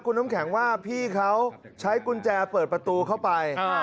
คุณน้ำแข็งว่าพี่เขาใช้กุญแจเปิดประตูเข้าไป